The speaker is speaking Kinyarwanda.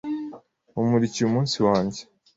Wamurikiye umunsi wanjye.